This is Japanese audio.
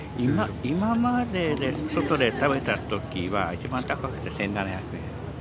今までで外で食べたときは、一番高くて１７００円。